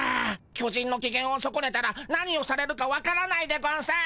巨人のきげんをそこねたら何をされるかわからないでゴンス。